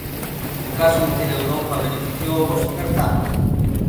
O caso de Cineuropa beneficiou ao voso certame?